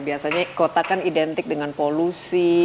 biasanya kota kan identik dengan polusi